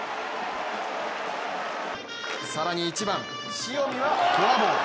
更に１番・塩見はフォアボール。